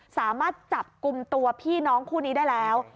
สามารถจับกลุ่มตัวพี่น้องคู่นี้ได้แล้ว